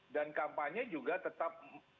dan kampanye juga tetap